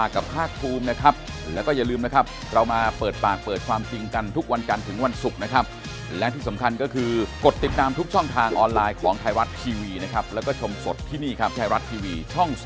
ครอบครัวแตกแยกชนะเท่ากับแพ้เรื่องนี้